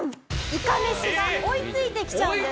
いかめしが追いついてきちゃうんです。